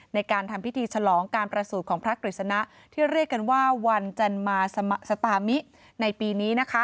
ในการทำพิธีฉลองการประสูจน์ของพระกฤษณะที่เรียกกันว่าวันจันมาสตามิในปีนี้นะคะ